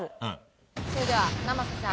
それでは生瀬さん